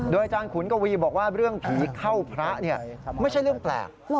อาจารย์ขุนกวีบอกว่าเรื่องผีเข้าพระไม่ใช่เรื่องแปลก